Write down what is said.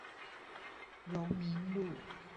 榮民路